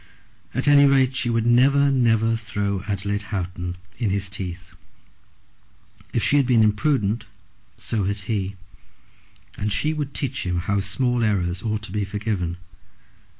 At any rate she would never, never throw Adelaide Houghton in his teeth. If she had been imprudent, so had he; and she would teach him how small errors ought to be forgiven.